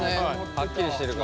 はっきりしてるから。